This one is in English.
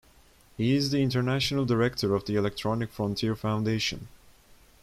He is the International Director of the Electronic Frontier Foundation.